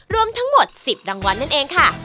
รวมทั้งหมด๑๐รางวัลนั่นเองค่ะ